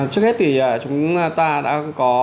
trước hết thì chúng ta đã có